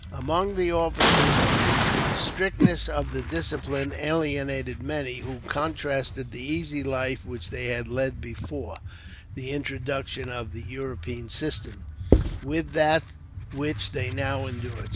Among the officers the strictness of the discipline alienated many, who contrasted the easy life which they had led before the introduction of the European system, with that which they now endured.